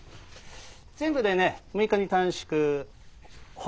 全部でね６日に短縮。は？